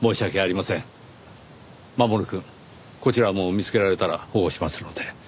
守くんこちらも見つけられたら保護しますので。